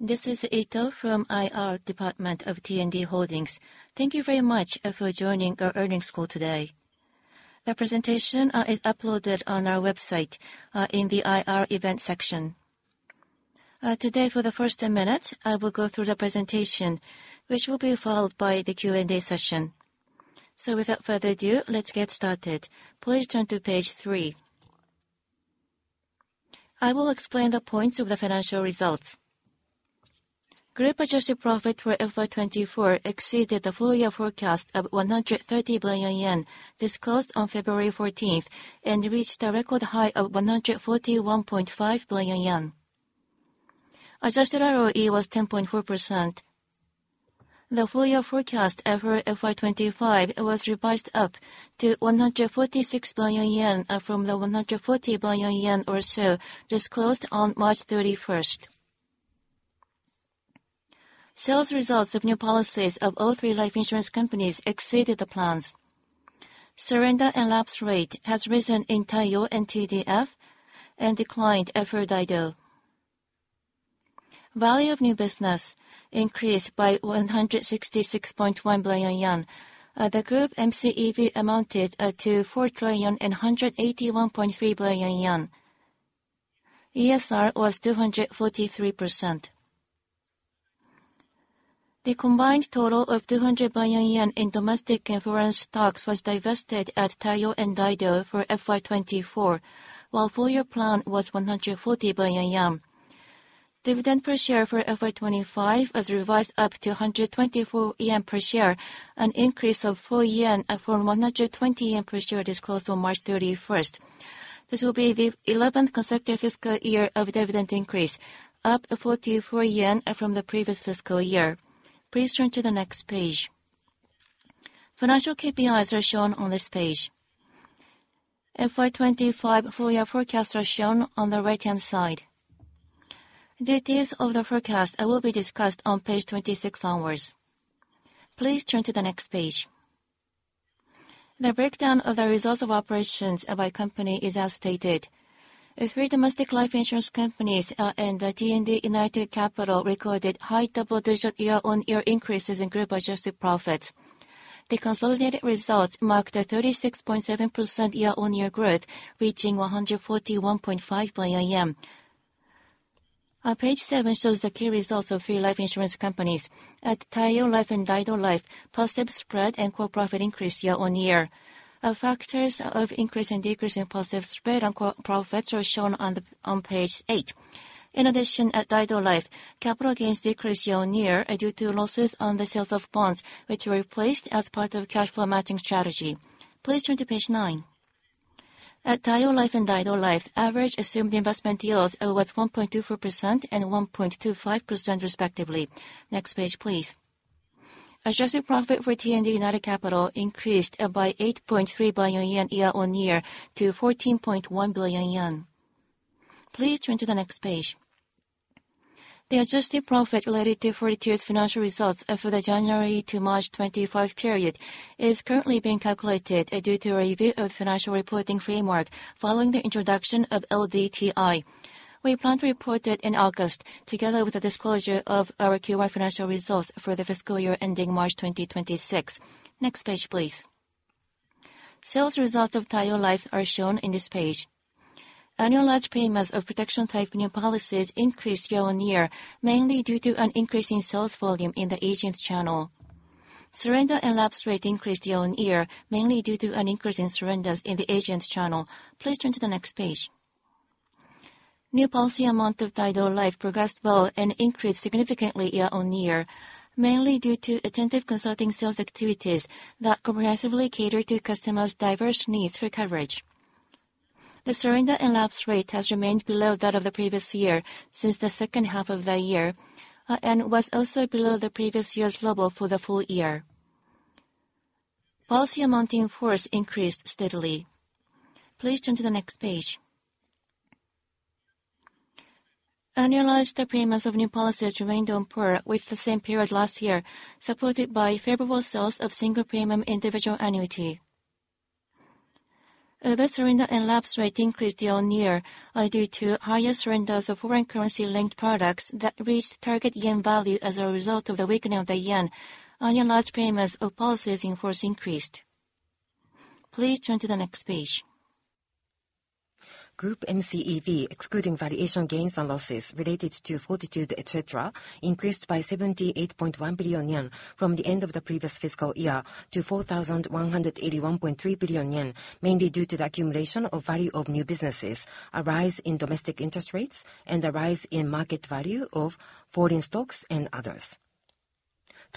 This is Ito from IR Department of T&D Holdings. Thank you very much for joining our earnings call today. The presentation is uploaded on our website in the IR event section. Today, for the first 10 minutes, I will go through the presentation, which will be followed by the Q&A session. Without further ado, let's get started. Please turn to page 3. I will explain the points of the financial results. Group adjusted profit for FY2024 exceeded the full-year forecast of 130 billion yen disclosed on February 14th and reached a record high of 141.5 billion yen. Adjusted ROE was 10.4%. The full-year forecast for FY2025 was revised up to 146 billion yen from the 140 billion yen or so disclosed on March 31st. Sales results of new policies of all three life insurance companies exceeded the plans. Surrender and lapse rate has risen in Taiyo and T&D Financial Life, and declined at Daido Life. Value of new business increased by 166.1 billion yen. The group MCEV amounted to 4,181.3 billion yen. ESR was 243%. The combined total of 200 billion yen in domestic and foreign stocks was divested at Taiyo and Daido for FY2024, while full-year plan was 140 billion yen. Dividend per share for FY2025 was revised up to 124 yen per share, an increase of 4 yen from 120 yen per share disclosed on March 31. This will be the 11th consecutive fiscal year of dividend increase, up 44 yen from the previous fiscal year. Please turn to the next page. Financial KPIs are shown on this page. FY2025 full-year forecasts are shown on the right-hand side. Details of the forecast will be discussed on page 26. Please turn to the next page. The breakdown of the results of operations by company is as stated. Three domestic life insurance companies and T&D United Capital recorded high double-digit year-on-year increases in group adjusted profits. The consolidated results marked a 36.7% year-on-year growth, reaching 141.5 billion yen. Page 7 shows the key results of the three life insurance companies. At Taiyo Life and Daido Life, positive spread and core profit increased year-on-year. Factors of increase and decrease in positive spread and core profits are shown on page 8. In addition, at Daido Life, capital gains decreased year-on-year due to losses on the sales of bonds, which were replaced as part of cash flow matching strategy. Please turn to page 9. At Taiyo Life and Daido Life, average assumed investment yields were 1.24% and 1.25%, respectively. Next page, please. Adjusted profit for T&D United Capital increased by 8.3 billion yen year-on-year to 141.1 billion yen. Please turn to the next page. The adjusted profit related to FY2025 financial results for the January to March 2025 period is currently being calculated due to a review of the financial reporting framework following the introduction of LDTI. We plan to report it in August, together with the disclosure of our Q1 financial results for the fiscal year ending March 2026. Next page, please. Sales results of Taiyo Life are shown on this page. Annualized payments of protection-type new policies increased year-on-year, mainly due to an increase in sales volume in the agent channel. Surrender and lapse rates increased year-on-year, also due to higher activity in the agent channel. Please turn to the next page. New policy amount of Daido Life progressed well and increased significantly year-on-year, mainly due to attentive consulting sales activities that comprehensively cater to customers’ diverse needs for coverage. The surrender and lapse rate has remained below that of the previous year since the second half of the year, and was also below the previous year’s level for the full year. Policy amount in force increased steadily. Please turn to the next page. Annualized payments of new policies remained on par with the same period last year, supported by favorable sales of single premium individual annuities. The surrender and lapse rate increased year-on-year due to higher surrenders of foreign currency-linked products that reached target yen value as a result of the weakening of the yen. Annualized payments of policies in force increased. Please turn to the next page. Group MCEV, excluding variation gains and losses related to Fortitude, increased by 78.1 billion yen from the end of the previous fiscal year to 4,181.3 billion yen, mainly due to the accumulation of value of new businesses, a rise in domestic interest rates, and a rise in market value of foreign stocks and others.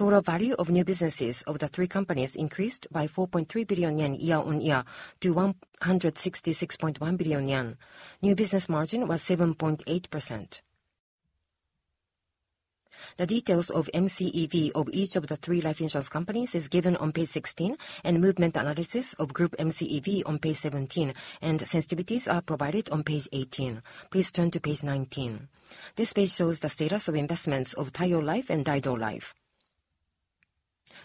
Total value of new businesses of the three companies increased by 4.3 billion yen year-on-year to 166.1 billion yen. New business margin was 7.8%. The details of MCEV of each of the three life insurance companies are given on page 16, and movement analysis of group MCEV on page 17, and sensitivities are provided on page 18. Please turn to page 19. This page shows the status of investments of Taiyo Life and Daido Life.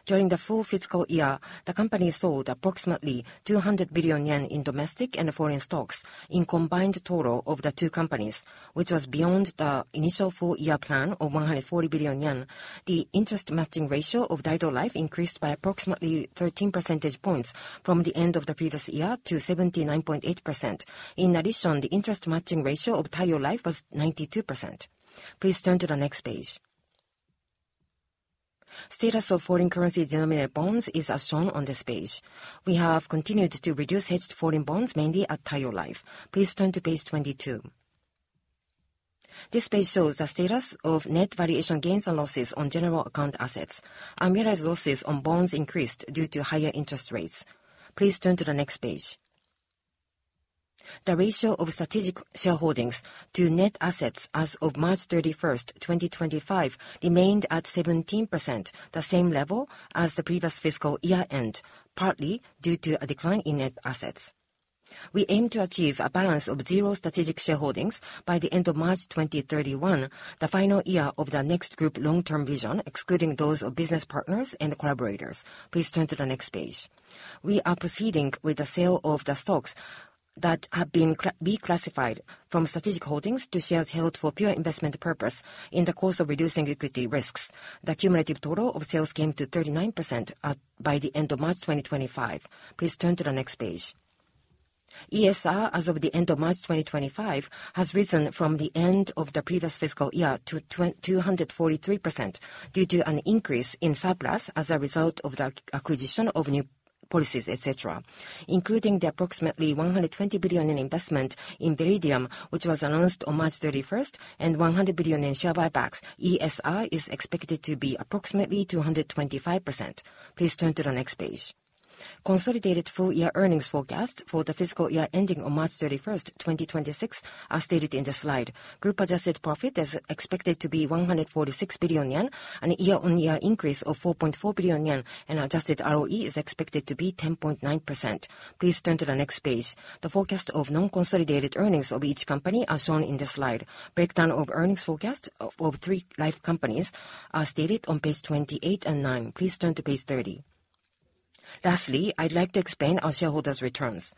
During the full fiscal year, the company sold approximately 200 billion yen in domestic and foreign stocks in combined total of the two companies, which was beyond the initial full-year plan of 140 billion yen. The interest matching ratio of Daido Life increased by approximately 13 percentage points from the end of the previous year to 79.8%. In addition, the interest matching ratio of Taiyo Life was 92%. Please turn to the next page. Status of foreign currency-denominated bonds is also shown on this page. We have continued to reduce hedged foreign bonds, mainly at Taiyo Life. Please turn to page 22. This page shows the status of net variation gains and losses on general account assets. Unrealized losses on bonds increased due to higher interest rates. Please turn to the next page. The ratio of strategic shareholdings to net assets as of March 31, 2025, remained at 17%, the same level as the previous fiscal year-end, partly due to a decline in net assets. We aim to achieve a balance of zero strategic shareholdings by the end of March 2031, the final year of the next group long-term vision, excluding those of business partners and collaborators. Please turn to the next page. We are proceeding with the sale of the stocks that have been reclassified from strategic holdings to shares held for pure investment purposes in the course of reducing equity risks. The cumulative total of sales came to 39% by the end of March 2025. Please turn to the next page. ESR as of the end of March 2025 has risen from the end of the previous fiscal year to 243% due to an increase in surplus as a result of the acquisition of new policies, including the approximately 120 billion investment in Veridium, which was announced on March 31, and 100 billion in share buybacks. ESR is expected to be approximately 225%. Please turn to the next page. Consolidated full-year earnings forecasts for the fiscal year ending on March 31, 2026, are stated in the slide. Group adjusted profit is expected to be 146 billion yen, a year-on-year increase of 4.4 billion yen, and adjusted ROE is expected to be 10.9%. Please turn to the next page. The forecast of non-consolidated earnings of each company is shown in the slide. Breakdown of earnings forecasts of the three life companies is stated on page 28 and 9. Please turn to page 30. Lastly, I’d like to explain our shareholders’ returns.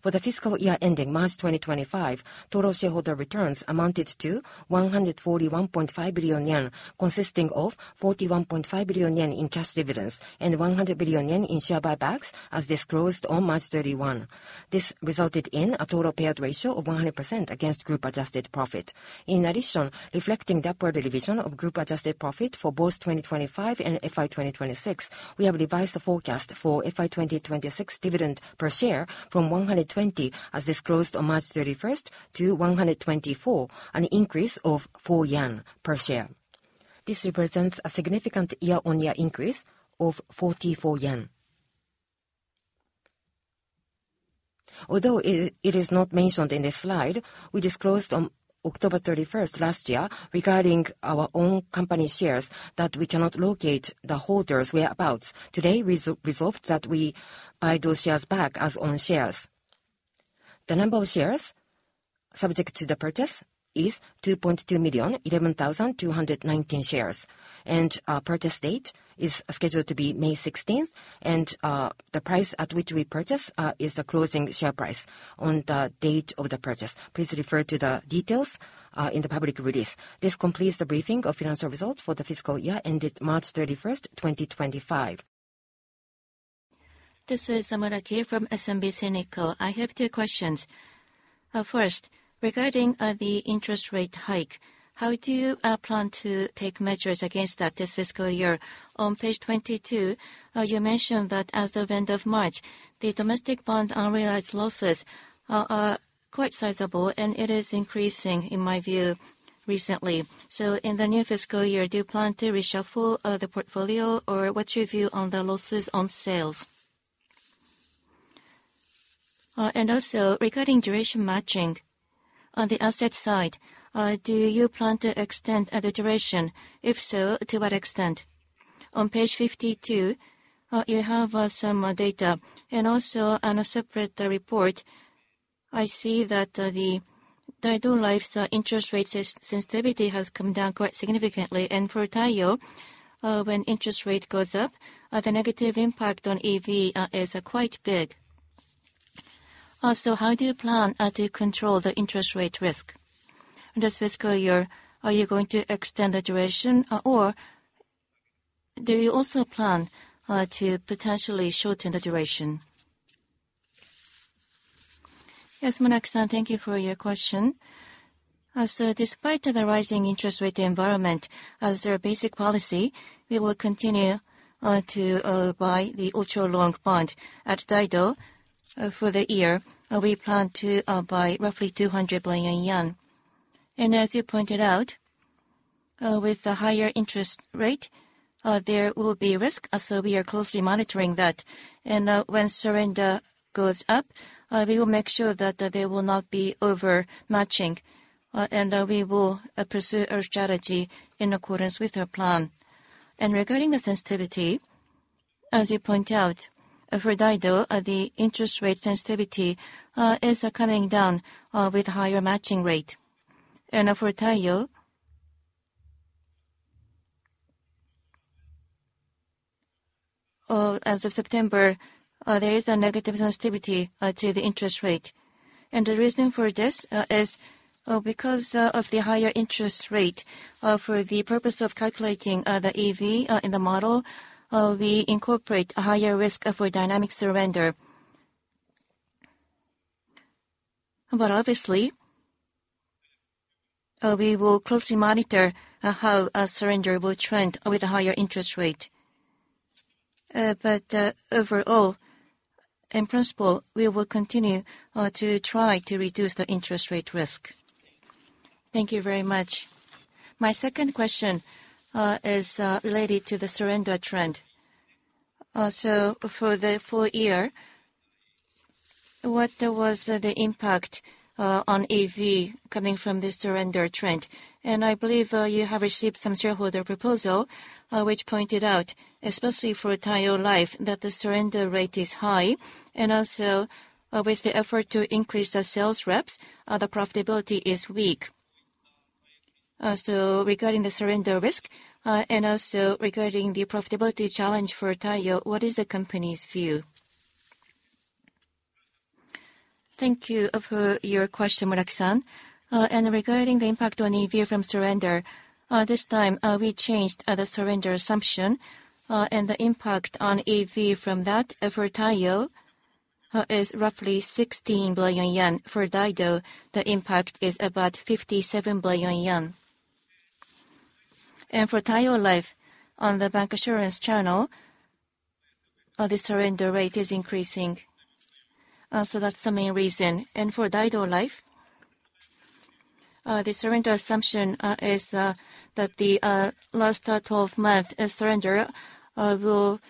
For the fiscal year ending March 2025, total shareholder returns amounted to 141.5 billion yen, consisting of 41.5 billion yen in cash dividends and 100 billion yen in share buybacks as disclosed on March 31. This resulted in a total payout ratio of 100% against group adjusted profit. In addition, reflecting the upward revision of group adjusted profit for both 2025 and FY26, we have revised the forecast for FY26 dividend per share from 120, as disclosed on March 31, to 124, an increase of 4 yen per share. This represents a significant year-on-year increase of 44 yen. Although it is not mentioned in this slide, we disclosed on October 31 last year regarding our own company shares that we cannot locate the holders’ whereabouts. Today, we resolved that we buy those shares back as own shares. The number of shares subject to the purchase is 2,211,219 shares, and our purchase date is scheduled to be May 16th, and the price at which we purchase is the closing share price on the date of the purchase. Please refer to the details in the public release. This completes the briefing of financial results for the fiscal year ended March 31st, 2025. This is Samara Keo from S&B Cynical. I have two questions. First, regarding the interest rate hike, how do you plan to take measures against that this fiscal year? On page 22, you mentioned that as of end of March, the domestic bond unrealized losses are quite sizable, and it is increasing, in my view, recently. In the new fiscal year, do you plan to reshuffle the portfolio, or what’s your view on the losses on sales? Also, regarding duration matching on the asset side, do you plan to extend the duration? If so, to what extent? On page 52, you have some data. Also, on a separate report, I see that Daido Life’s interest rate sensitivity has come down quite significantly. For Taiyo, when interest rate goes up, the negative impact on EV is quite big. Also, how do you plan to control the interest rate risk this fiscal year? Are you going to extend the duration, or do you also plan to potentially shorten the duration? Yes, Ms. Keo, thank you for your question. Despite the rising interest rate environment, as their basic policy, we will continue to buy the ultra-long bond. At Daido, for the year, we plan to buy 200 billion yen. As you pointed out, with the higher interest rate, there will be risk, so we are closely monitoring that. When surrender goes up, we will make sure that there will not be overmatching, and we will pursue our strategy in accordance with our plan. Regarding the sensitivity, as you point out, for Daido, the interest rate sensitivity is coming down with a higher matching rate. For Taiyo, as of September, there is a negative sensitivity to the interest rate. The reason for this is the higher interest rate. For the purpose of calculating the EV in the model, we incorporate a higher risk for dynamic surrender. Obviously, we will closely monitor how surrender will trend with a higher interest rate. Overall, in principle, we will continue to try to reduce the interest rate risk. Thank you very much. My second question is related to the surrender trend. For the full year, what was the impact on EV coming from this surrender trend? I believe you have received some shareholder proposals, which pointed out—especially for Taiyo Life—that the surrender rate is high, and also that despite the effort to increase the sales reps, profitability is weak. Regarding the surrender risk, and also regarding the profitability challenge for Taiyo, what is the company’s view? Thank you for your question, Ms. Hexsan. Regarding the impact on EV from surrender, this time we changed the surrender assumption, and the impact on EV for Taiyo is roughly 16 billion yen. For Daido, the impact is about 57 billion yen. For Taiyo Life, on the bank assurance channel, the surrender rate is increasing. That is the main reason. For Daido Life, the surrender assumption is that the last 12 months of surrender will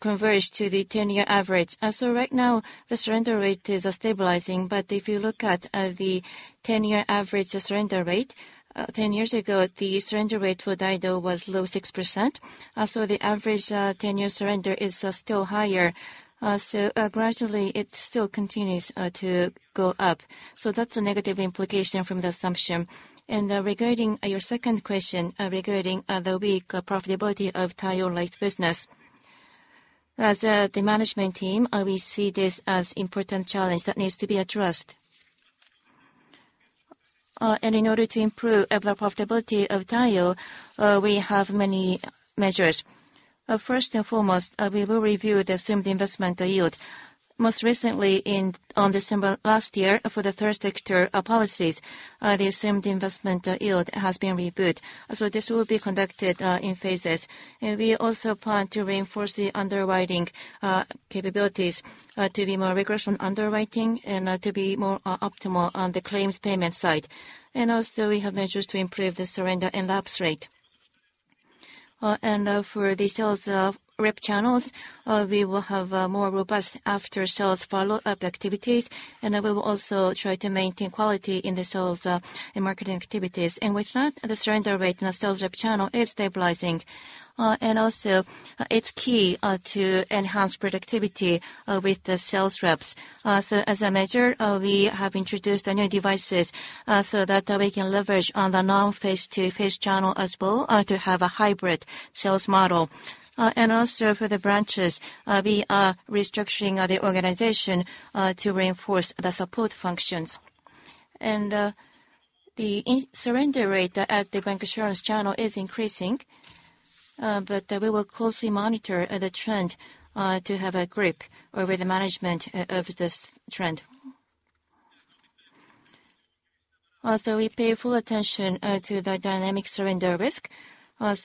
converge to the 10-year average. Right now, the surrender rate is stabilizing, but if you look at the 10-year average surrender rate, 10 years ago, the surrender rate for Daido was low—6%. The average 10-year surrender is still higher. Gradually, it continues to go up. That’s a negative implication from the assumption. Regarding your second question about the weak profitability of Taiyo Life’s business, as the management team, we see this as an important challenge that needs to be addressed. In order to improve the profitability of Taiyo, we have many measures. First and foremost, we will review the assumed investment yield. Most recently, in December last year, for the third-sector policies, the assumed investment yield was reviewed. This will be conducted in phases. We also plan to reinforce the underwriting capabilities to be more rigorous on underwriting and to be more optimal on the claims payment side. We have measures to improve the surrender and lapse rate. For the sales rep channels, we will have more robust after-sales follow-up activities, and we will also try to maintain quality in the sales and marketing activities. With that, the surrender rate in the sales rep channel is stabilizing. Also, it is key to enhance productivity with the sales reps. As a measure, we have introduced new devices so that we can leverage the non-face-to-face channel as well and have a hybrid sales model. For the branches, we are restructuring the organization to reinforce the support functions. The surrender rate at the bancassurance channel is increasing, but we will closely monitor the trend to have a grip over the management of this trend. Also, we pay full attention to the dynamic surrender risk.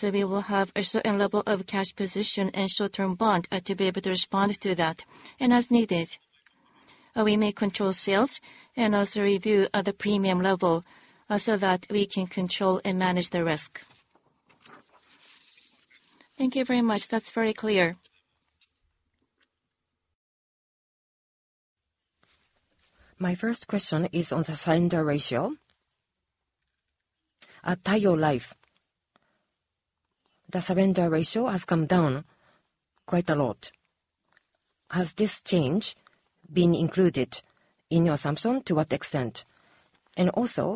We will have a certain level of cash position and short-term bond to be able to respond to that. As needed, we may control sales and also review the premium level so that we can control and manage the risk. Thank you very much. That’s very clear. My first question is on the surrender ratio at Taiyo Life. The surrender ratio has come down quite a lot. Has this change been included in your assumptions, and to what extent? Also,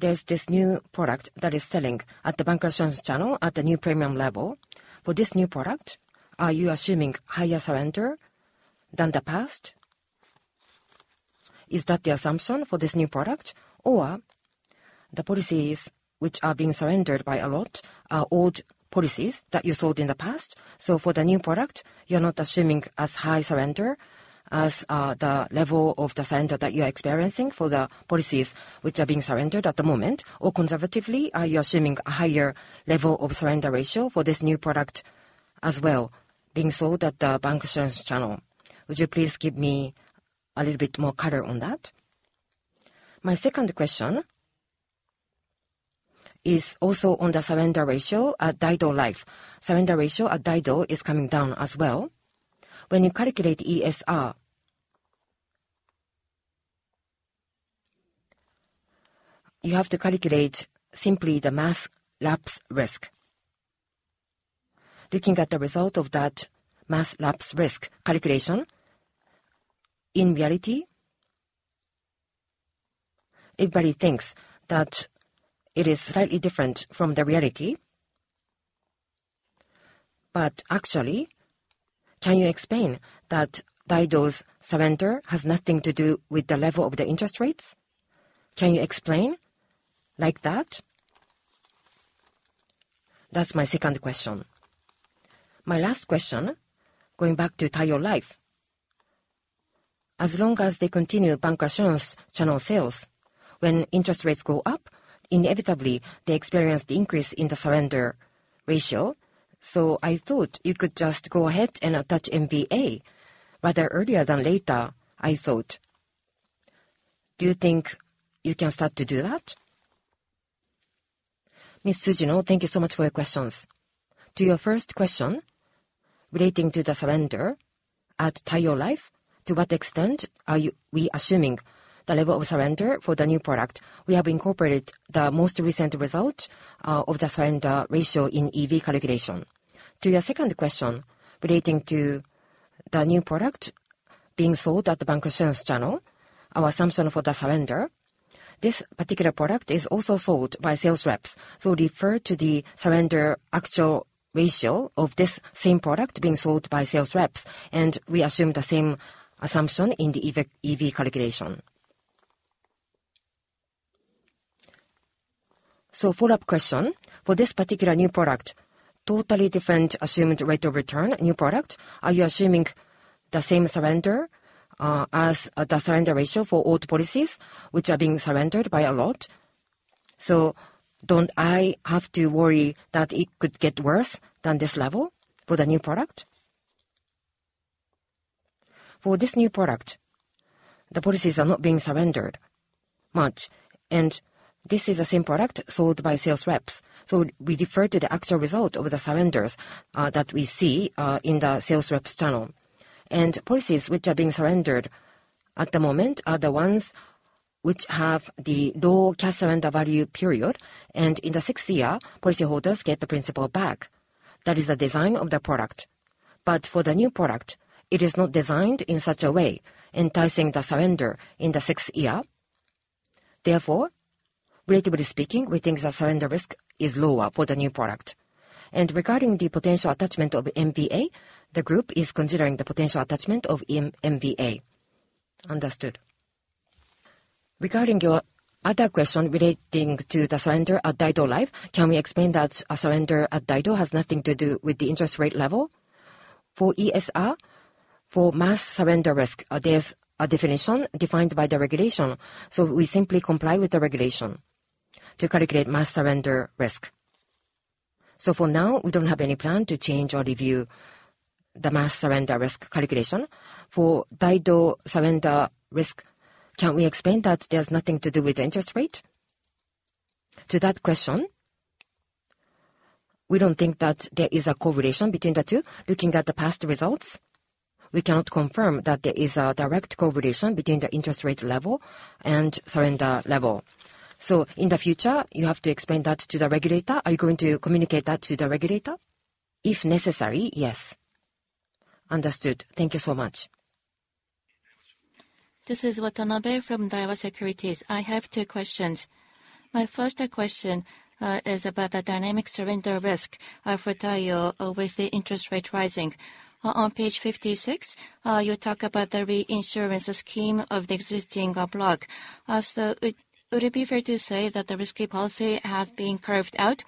there’s this new product that is being sold at the bancassurance channel at the new premium level. For this new product, are you assuming higher surrender than in the past? Is that the assumption for this new product? Or are the policies that are being surrendered at a high level the old policies that you sold in the past? For the new product, are you assuming a lower surrender rate than what you are currently experiencing with the older policies being surrendered? Or, conversely, are you assuming a higher level of surrender ratio for this new product as well, since it is being sold at the bancassurance channel? Would you please give me a little more color on that? My second question is also on the surrender ratio at Daido Life. The surrender ratio at Daido is coming down as well. When you calculate ESR, you have to calculate the mass lapse risk. Looking at the results of that mass lapse risk calculation, everyone thinks it is slightly different from the actual reality. Could you explain why Daido’s surrender does not seem to be linked to the level of interest rates? Could you explain that? That’s my second question. And my last question, going back to Taiyo Life: as long as they continue bancassurance channel sales, when interest rates go up, they inevitably experience an increase in the surrender ratio. I thought you might go ahead and attach MBA earlier rather than later. I thought that would be the case. Do you think you can start to do that? Ms. Sujino, thank you very much for your questions. To your first question relating to the surrender at Taiyo Life — to what extent are we assuming the level of surrender for the new product? We have incorporated the most recent result of the surrender ratio into the EV calculation. To your second question relating to the new product being sold through the bancassurance channel — our assumption for the surrender for this particular product is aligned with the surrender ratio of the same product being sold by sales representatives. In other words, we assume the same surrender ratio in the EV calculation. Follow-up question: for this particular new product, which has a totally different assumed rate of return, are you assuming the same surrender ratio as the older policies that are currently being surrendered at a high level? Don’t I have to worry that it could get worse than this level for the new product? For this new product, the policies are not being surrendered much, and this is the same product sold by sales representatives. We defer to the actual results of the surrenders that we see in the sales-rep channel. The policies that are being surrendered at the moment are those with a low cash-surrender-value period, and in the sixth year, policyholders receive the principal back. That is the design of the product. For the new product, it is not designed in a way that encourages surrender in the sixth year. Therefore, relatively speaking, we believe the surrender risk is lower for the new product. Regarding the potential attachment of MBA, the group is considering the potential attachment of MBA. Understood. Regarding your other question relating to the surrender at Daido Life, can we explain that a surrender at Daido has nothing to do with the interest rate level? For ESR, in the case of mass-surrender risk, there is a definition prescribed by the regulator. We simply comply with this regulation to calculate mass-surrender risk. For now, we do not have any plan to change or review the mass-surrender risk calculation. Thank you so much. This is Watanabe from Daiwa Securities. I have two questions. My first question is about the dynamic surrender risk for Taiyo, given the rising interest rates. On page 56, you talk about the reinsurance scheme of the existing block. Would it be fair to say that the risky policy has been carved out?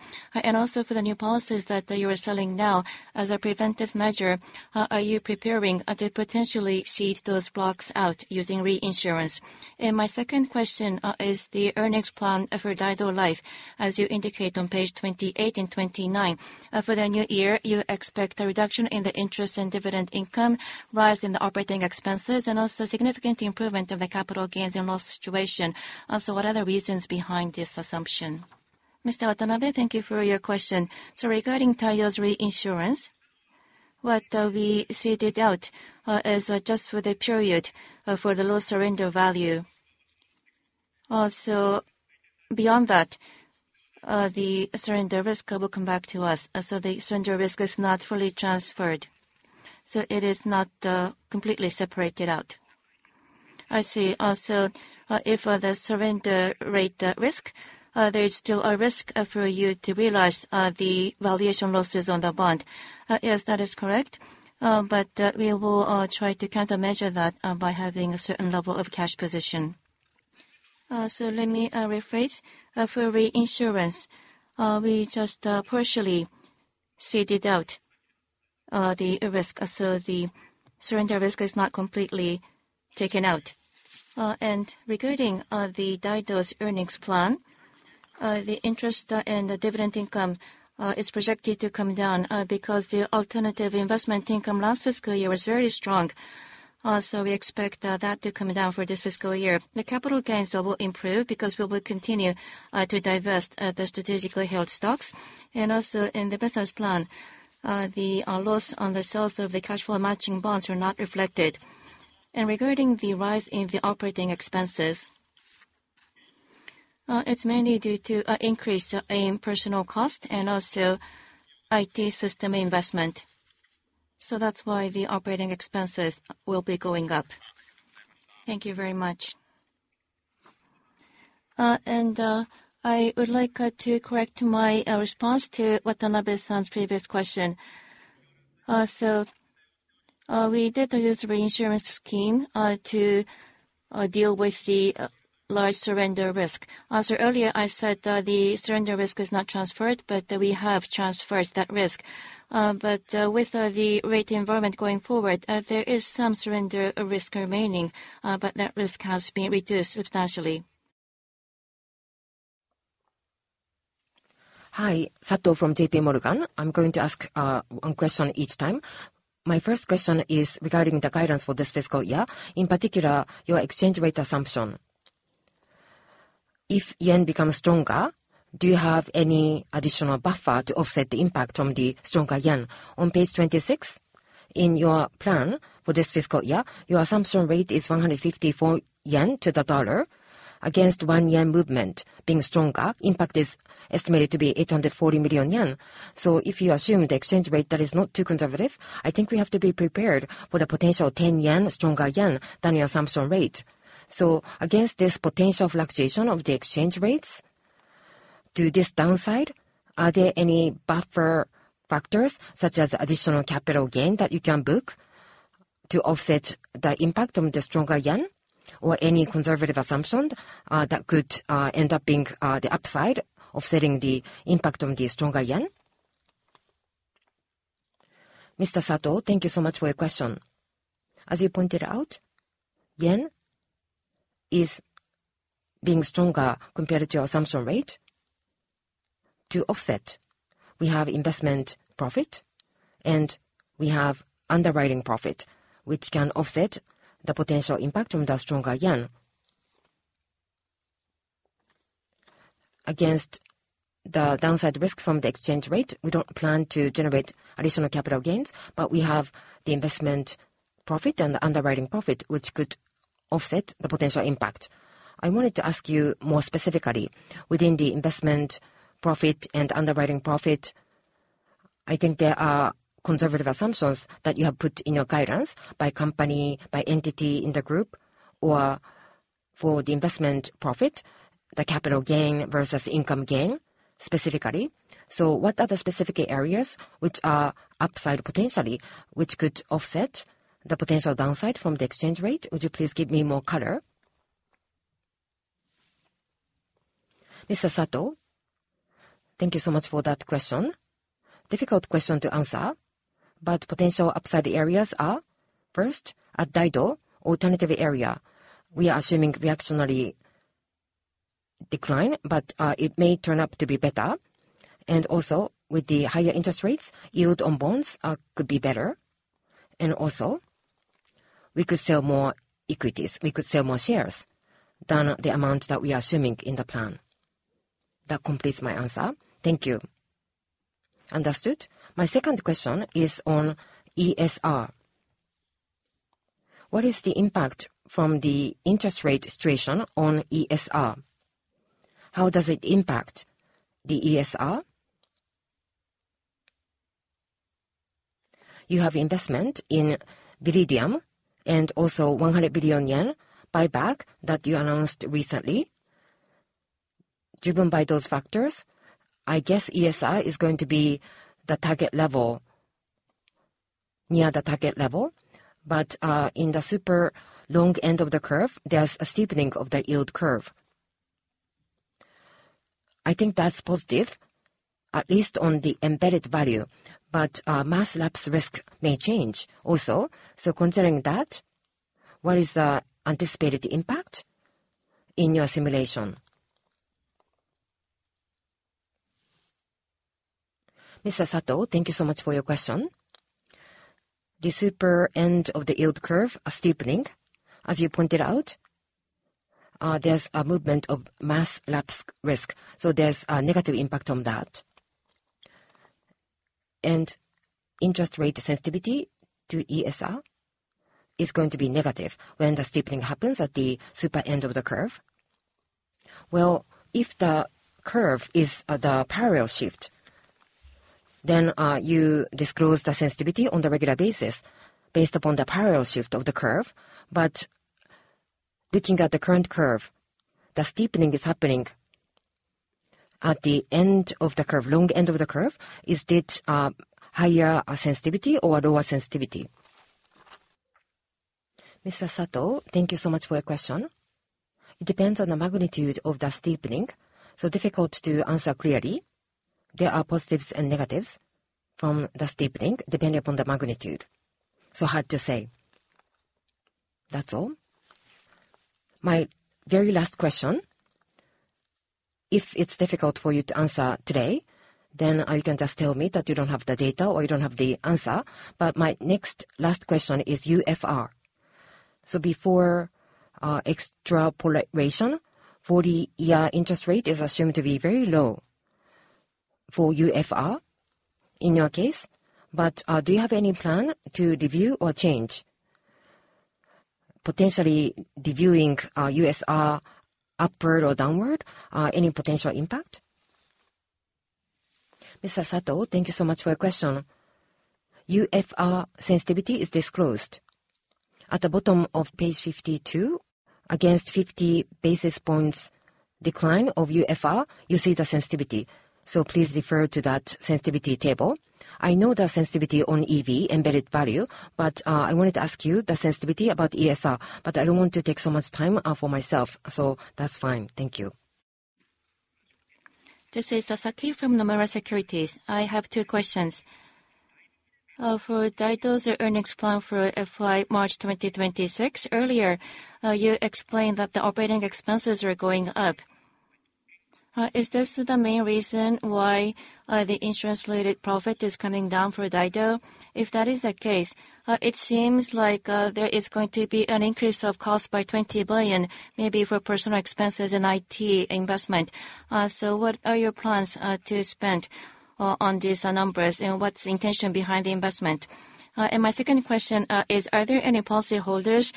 Also, for the new policies that you are selling now, as a preventive measure, are you preparing to potentially cede those blocks using reinsurance? My second question concerns the earnings plan for Daido Life, as you indicate on pages 28 and 29. For the new year, you expect a reduction in interest and dividend income, an increase in operating expenses, and also a significant improvement in the capital gains and loss situation. What are the reasons behind this assumption? Mr. Watanabe, thank you for your question. Regarding Taiyo’s reinsurance, what we ceded out is only for the period of low surrender value. Also, beyond that, the surrender risk will come back to us. The surrender risk is not fully transferred; it is not completely separated out. I see. Also, for the surrender rate risk, there is still a risk for us to realize the valuation losses on the bond. Yes, that is correct. We will try to counter this by maintaining a certain level of cash position. Let me rephrase: for reinsurance, we only partially ceded out the risk. The surrender risk is not completely removed. Regarding Daido’s earnings plan, interest and dividend income is projected to decline because alternative investment income last fiscal year was very strong. We expect that to come down this fiscal year. capital gains will improve because we will continue to divest the strategically held stocks. Also, in the business plan, the losses on the sales of the cash flow matching bonds are not reflected. Regarding the rise in operating expenses, it is mainly due to an increase in personnel costs and also IT system investment. That is why operating expenses will be going up. Thank you very much. I would also like to correct my response to Watanabe’s previous question. We did use the reinsurance scheme to deal with the large surrender risk. Earlier, I said the surrender risk is not transferred, but we have transferred that risk. With the rate environment going forward, there is some surrender risk remaining, but that risk has been reduced substantially. Hi, Sato from JP Morgan. I’m going to ask one question each time. My first question is regarding the guidance for this fiscal year, in particular your exchange rate assumption. If the yen becomes stronger, do you have any additional buffer to offset the impact from the stronger yen? On page 26, in your plan for this fiscal year, your assumption rate is 154 yen to the dollar, with one-yen movement being stronger. The impact is estimated to be 840 million yen. If we assume the exchange rate that is not too conservative, I think we have to be prepared for the potential 10-yen stronger yen than your assumption rate. Against this potential fluctuation of the exchange rates to the downside, are there any buffer factors, such as additional capital gains that you can book to offset the impact from the stronger yen, or any conservative assumptions that could end up being the upside to offset the impact from the stronger yen? Sato, thank you so much for that question. Difficult question to answer, but potential upside areas are, first, at Daido, alternative area, we are assuming reactionary decline, but it may turn up to be better. Also, with the higher interest rates, yield on bonds could be better. Also, we could sell more equities. We could sell more shares than the amount that we are assuming in the plan. That completes my answer. Thank you. Understood. My second question is on ESR. What is the impact from the interest rate situation on ESR? How does it impact the ESR? You have investment in Veridium and also 100 billion yen buyback that you announced recently. Driven by those factors, I guess ESR is going to be the target level near the target level, but in the super long end of the curve, there is a steepening of the yield curve. I think that's positive, at least on the embedded value, but mass lapse risk may change also. So, considering that, what is the anticipated impact in your simulation? Mr. Sato, thank you so much for your question. The super end of the yield curve, a steepening, as you pointed out, there's a movement of mass lapse risk. So, there's a negative impact on that. Interest rate sensitivity to ESR is going to be negative when the steepening happens at the super end of the curve. If the curve is the parallel shift, then you disclose the sensitivity on the regular basis based upon the parallel shift of the curve. But looking at the current curve, the steepening is happening at the end of the curve, long end of the curve. Is it higher sensitivity or lower sensitivity? Mr. Sato, thank you so much for your question. It depends on the magnitude of the steepening, so difficult to answer clearly. There are positives and negatives from the steepening depending upon the magnitude. Hard to say. That's all. My very last question, if it's difficult for you to answer today, then you can just tell me that you don't have the data or you don't have the answer. My next last question is UFR. Before extrapolation, 40-year interest rate is assumed to be very low for UFR in your case. Do you have any plan to review or change? Potentially reviewing UFR upward or downward, any potential impact? Mr. Sato, thank you so much for your question. UFR sensitivity is disclosed at the bottom of page 52 against 50 basis points decline of UFR. You see the sensitivity. Please refer to that sensitivity table. I know the sensitivity on EV embedded value, but I wanted to ask you the sensitivity about ESR. I do not want to take so much time for myself, so that is fine. Thank you. This is Sasaki from Nomura Securities. I have two questions. For Daido's earnings plan for fiscal year March 2026, earlier you explained that the operating expenses are going up. Is this the main reason why the insurance-related profit is coming down for Daido? If that is the case, it seems like there is going to be an increase of cost by 20 billion, maybe for personnel expenses and IT investment. What are your plans to spend on these numbers, and what is the intention behind the investment? My second question is, are there any policyholders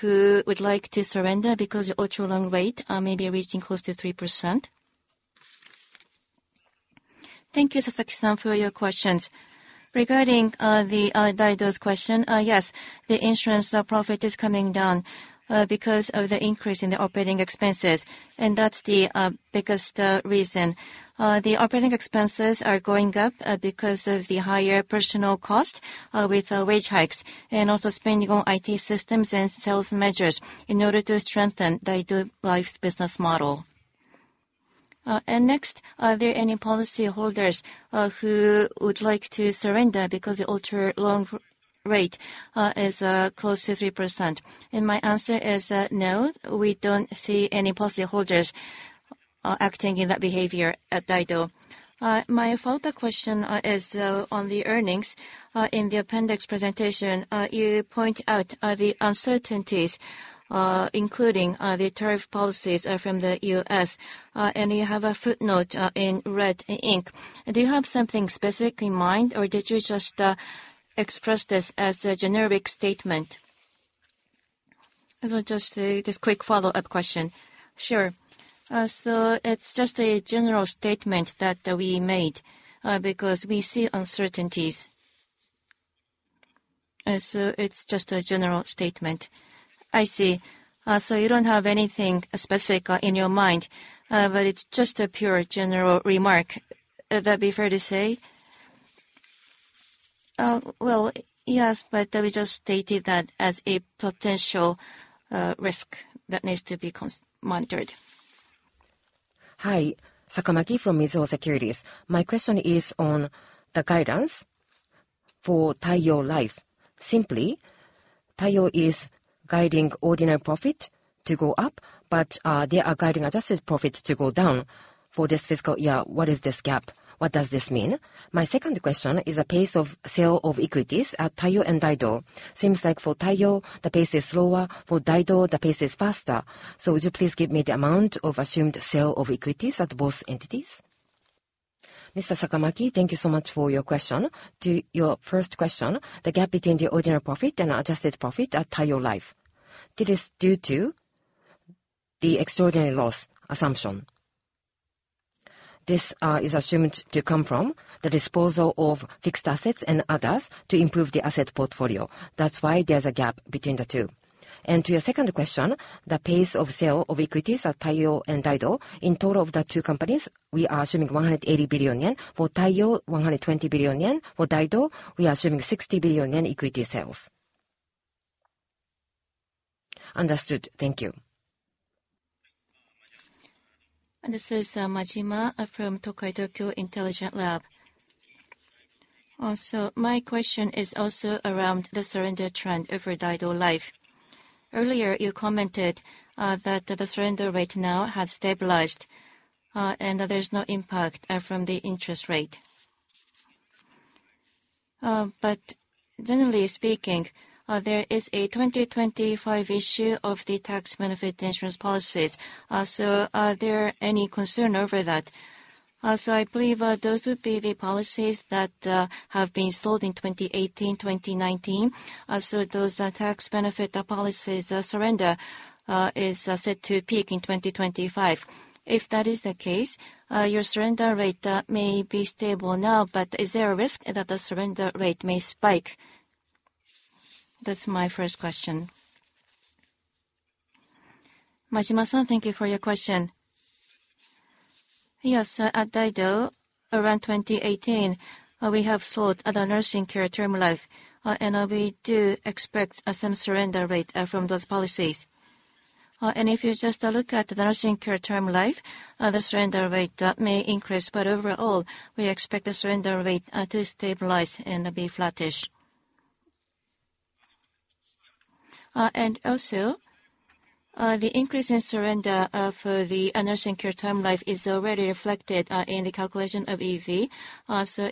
who would like to surrender because the ultra-long rate may be reaching close to 3%? Thank you, Sasaki, for your questions. Regarding Daido's question, yes, the insurance profit is coming down because of the increase in the operating expenses. That is the biggest reason. The operating expenses are going up because of the higher personnel cost with wage hikes and also spending on IT systems and sales measures in order to strengthen Daido Life's business model. Next, are there any policyholders who would like to surrender because the ultra-long rate is close to 3%? My answer is no. We do not see any policyholders acting in that behavior at Daido. My follow-up question is on the earnings. In the appendix presentation, you point out the uncertainties, including the tariff policies from the U.S., and you have a footnote in red ink. Do you have something specific in mind, or did you just express this as a generic statement? I will just say this quick follow-up question. Sure. It is just a general statement that we made because we see uncertainties. It is just a general statement. I see. You do not have anything specific in your mind, but it is just a pure general remark. That would be fair to say. Yes, but we just stated that as a potential risk that needs to be monitored. Hi, Sakamaki from Mizuho Securities. My question is on the guidance for Taiyo Life. Simply, Taiyo is guiding ordinary profit to go up, but they are guiding adjusted profit to go down for this fiscal year. What is this gap? What does this mean? My second question is the pace of sale of equities at Taiyo and Daido. Seems like for Taiyo, the pace is slower. For Daido, the pace is faster. Would you please give me the amount of assumed sale of equities at both entities? Mr. Sakamaki, thank you so much for your question. To your first question, the gap between the ordinary profit and adjusted profit at Taiyo Life, it is due to the extraordinary loss assumption. This is assumed to come from the disposal of fixed assets and others to improve the asset portfolio. That is why there is a gap between the two. To your second question, the pace of sale of equities at Taiyo and Daido, in total of the two companies, we are assuming 180 billion yen. For Taiyo, 120 billion yen. For Daido, we are assuming 60 billion yen equity sales. Understood. Thank you. This is Majima from Tokai Tokyo Intelligent Lab. My question is also around the surrender trend for Daido Life. Earlier, you commented that the surrender rate now has stabilized, and there is no impact from the interest rate. Generally speaking, there is a 2025 issue of the tax benefit insurance policies. Are there any concerns over that? I believe those would be the policies that have been sold in 2018, 2019. Those tax benefit policies' surrender is set to peak in 2025. If that is the case, your surrender rate may be stable now, but is there a risk that the surrender rate may spike? That is my first question. Majima-san, thank you for your question. Yes, at Daido, around 2018, we have sold the nursing care term life, and we do expect some surrender rate from those policies. If you just look at the nursing care term life, the surrender rate may increase, but overall, we expect the surrender rate to stabilize and be flattish. Also, the increase in surrender for the nursing care term life is already reflected in the calculation of EV.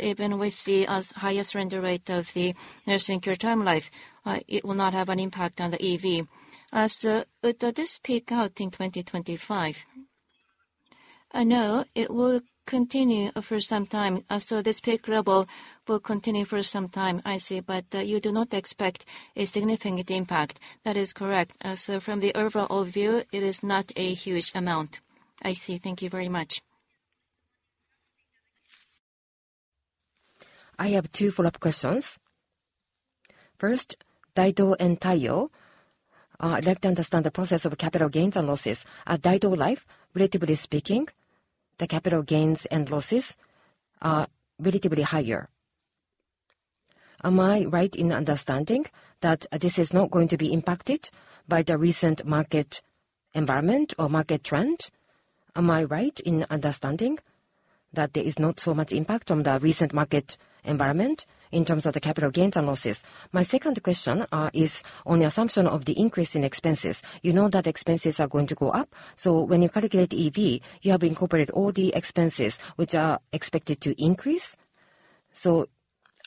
Even with the higher surrender rate of the nursing care term life, it will not have an impact on the EV. Does this peak out in 2025? No, it will continue for some time. This peak level will continue for some time. I see, but you do not expect a significant impact. That is correct. From the overall view, it is not a huge amount. I see. Thank you very much. I have two follow-up questions. First, Daido and Taiyo, I would like to understand the process of capital gains and losses. At Daido Life, relatively speaking, the capital gains and losses are relatively higher. Am I right in understanding that this is not going to be impacted by the recent market environment or market trend? Am I right in understanding that there is not so much impact from the recent market environment in terms of the capital gains and losses? My second question is on the assumption of the increase in expenses. You know that expenses are going to go up. When you calculate EV, you have incorporated all the expenses which are expected to increase.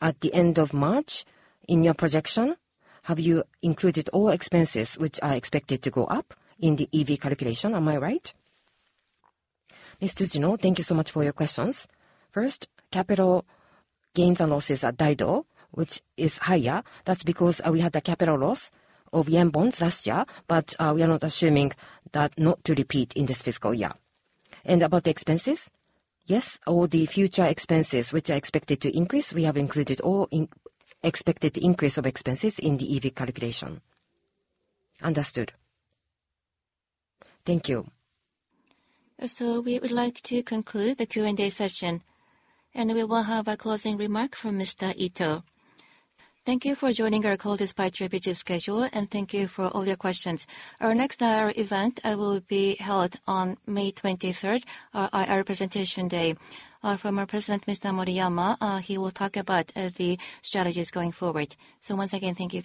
At the end of March, in your projection, have you included all expenses which are expected to go up in the EV calculation? Am I right? Mr. Sujino, thank you so much for your questions. First, capital gains and losses at Daido Life, which is higher. That is because we had a capital loss of yen bonds last year, but we are not assuming that to repeat in this fiscal year. About the expenses, yes, all the future expenses which are expected to increase, we have included all expected increase of expenses in the EV calculation. Understood. Thank you. We would like to conclude the Q&A session, and we will have a closing remark from Mr. Ito. Thank you for joining our call despite your busy schedule, and thank you for all your questions. Our next IR event will be held on May 23, our IR presentation day. From our President, Mr. Moriyama, he will talk about the strategies going forward. Once again, thank you.